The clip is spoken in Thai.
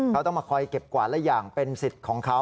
เขาต้องมาคอยเก็บกวาดละอย่างเป็นสิทธิ์ของเขา